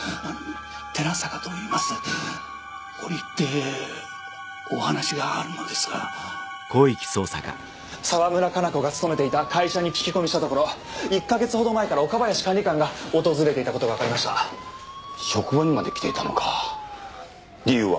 寺坂といいます折り入ってお話があるのですが沢村加奈子が勤めていた会社に聞き込みしたところ１ヵ月ほど前から岡林管理官が訪れていたことが分かりました職場にまで来ていたのか理由は？